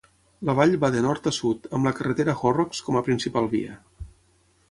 La vall va de nord a sud, amb la carretera Horrocks com a principal via.